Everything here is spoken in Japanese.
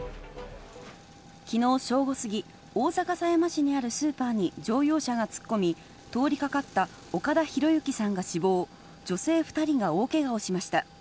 昨日正午すぎ、大阪狭山市にあるスーパーに乗用車が突っ込み、通りかかった岡田博行さんが死亡、女性２人が大けがをしました。